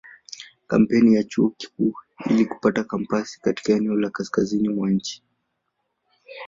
Kampeni ya Chuo Kikuu ili kupata kampasi katika eneo la kaskazini mwa nchi.